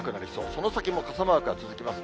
その先も傘マークが続きます。